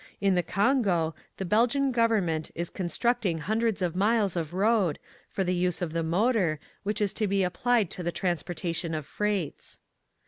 In the Kongo the Belgian government is constructing hun dreds of miles of road, for the use of the motor, which is to be applied to the trans portation of freights.